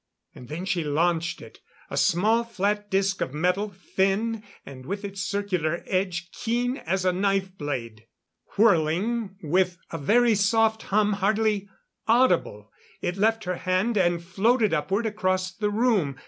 And then she launched it a small flat disc of metal, thin, and with its circular edge keen as a knife blade. Whirling with a very soft hum hardly audible, it left her hand and floated upward across the room.